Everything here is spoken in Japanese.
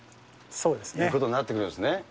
そうですね。ということになってくるわけですね。